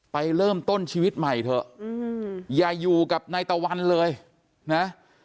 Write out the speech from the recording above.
ไปเริ่มต้นชีวิตใหม่เถอะอย่าอยู่กับนายตะวันเลยนะ